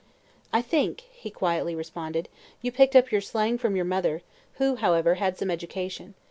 "I think," he quietly responded, "you picked up your slang from your mother, who, however, had some education.